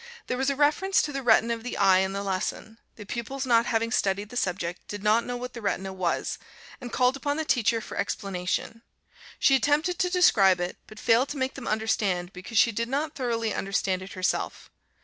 There was a reference to the retina of the eye in the lesson; the pupils not having studied that subject, did not know what the retina was, and called upon the teacher for explanation; she attempted to describe it, but failed to make them understand because she did not thoroughly understand it herself.